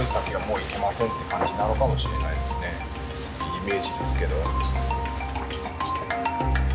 イメージですけど。